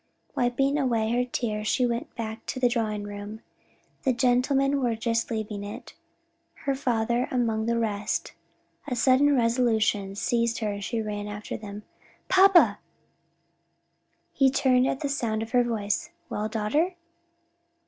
Wiping away her tears she went back into the drawing room. The gentlemen were just leaving it, her father among the rest. A sudden resolution seized her and she ran after them. "Papa!" He turned at the sound of her voice. "Well daughter?"